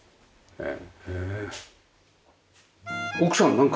へえ。